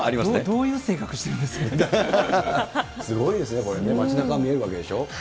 どういう性格してるんですかすごいですね、これね、街なかが見えるわけでしょ。